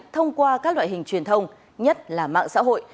thông qua các loại hình truyền thông nhất là mạng xã hội